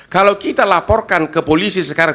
kalau kita laporkan ke polisi sekarang